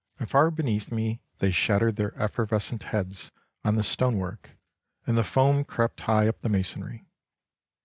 And far beneath me they shattered their effervescent heads on the stone work and the foam crept high up the masonry.